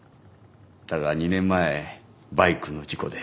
だが２年前バイクの事故で。